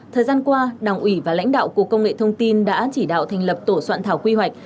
thời gian qua đảng ủy và lãnh đạo cục công nghệ thông tin đã chỉ đạo thành lập tổ soạn thảo quy hoạch